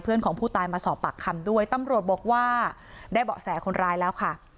ของผู้ตายมาสอบปากคำด้วยตำรวจบอกว่าได้เบาะแสคนร้ายแล้วค่ะ